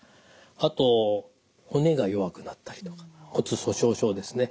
あと骨が弱くなったりとか骨粗しょう症ですね。